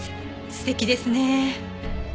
素敵ですねえ。